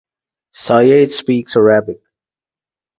Sayegh speaks Arabic.